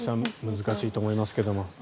難しいと思いますが。